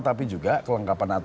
tapi juga kelengkapan administrasinya